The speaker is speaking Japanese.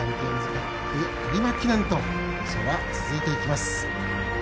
カップ有馬記念と放送は続いていきます。